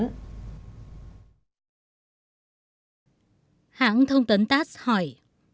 hãng thông tấn tass hỏi